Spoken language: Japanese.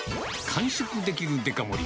完食できるデカ盛り。